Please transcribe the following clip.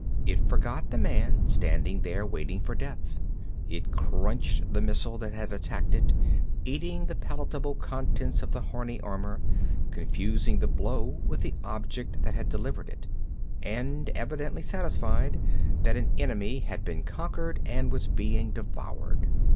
It forgot the man, standing there, waiting for death. It crunched the missile that had attacked it, eating the palatable contents of the horny armor, confusing the blow with the object that had delivered it, and evidently satisfied that an enemy had been conquered and was being devoured.